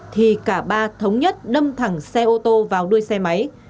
thì cả ba thống nhất đâm thẳng xe ô tô vào đuôi xe máy